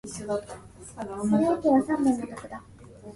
There are, however, two exceptions.